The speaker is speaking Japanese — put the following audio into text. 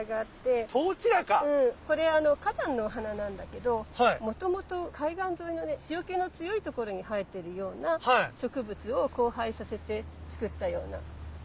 これあの花壇のお花なんだけどもともと海岸沿いのね塩気の強いところに生えてるような植物を交配させて作ったような園芸植物。